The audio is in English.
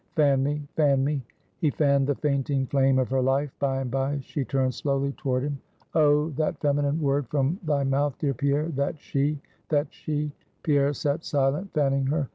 "Fan me; fan me!" He fanned the fainting flame of her life; by and by she turned slowly toward him. "Oh! that feminine word from thy mouth, dear Pierre: that she, that she!" Pierre sat silent, fanning her.